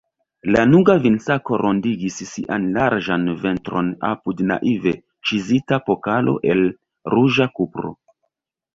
Lanuga vinsako rondigis sian larĝan ventron apud naive ĉizita pokalo el ruĝa kupro.